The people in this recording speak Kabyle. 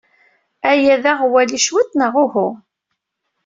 Aya d aɣwali cwiṭ neɣ uhu?